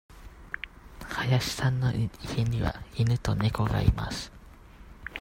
林さんの家には犬と猫がいます。